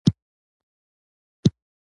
رحمت الله درد د پښتنو یو نامتو شاعر و.